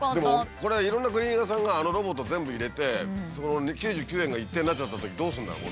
これはいろんなクリーニング屋さんがあのロボットを全部入れてそこの９９円が一定になっちゃったときどうするんだろう？